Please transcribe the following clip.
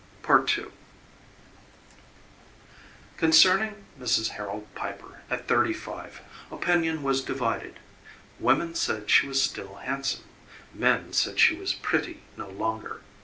II Concerning Mrs. Harold Piper at thirty five, opinion was divided women said she was still handsome; men said she was pretty no longer.